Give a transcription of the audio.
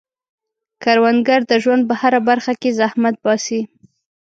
کروندګر د ژوند په هره برخه کې زحمت باسي